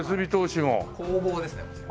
工房ですねこちら。